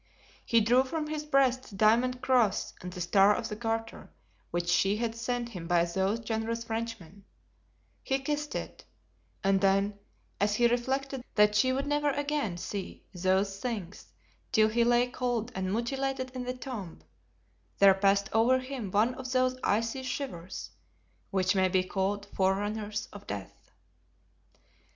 He drew from his breast the diamond cross and the star of the Garter which she had sent him by those generous Frenchmen; he kissed it, and then, as he reflected, that she would never again see those things till he lay cold and mutilated in the tomb, there passed over him one of those icy shivers which may be called forerunners of death.